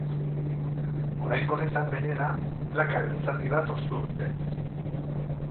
Oraingo honetan, gainera, plakaren zati bat ostu dute.